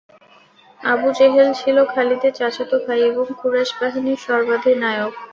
Abu Jahl ছিল খালিদের চাচাত ভাই এবং কুরাইশ বাহিনীর সর্বাধিনায়ক।